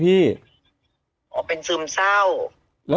เป็นซึมเศร้า